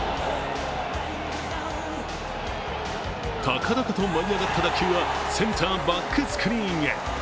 たかだかと舞い上がった打球はセンターバックスクリーンへ。